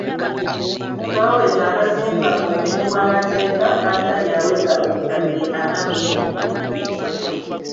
Twaweesa abazimba mu bumenyi bw’amateeka kantanyi aweza obukadde ana mu bubiri.